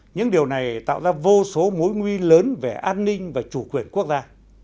những điều này tạo ra vô số mối nguy lớn về an ninh và chủ quyền quốc gia